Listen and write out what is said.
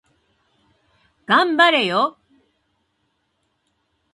頑張れよ